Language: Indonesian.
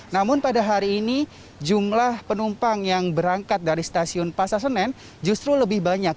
namun pada hari ini jumlah penumpang yang berangkat dari stasiun pasar senen justru lebih banyak